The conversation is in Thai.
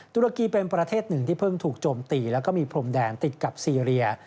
ตุรกีเป็นประเทศหนึ่งที่เพิ่งถูกโจมตีแล้วก็มีพรมแดนติดกับซีเรีย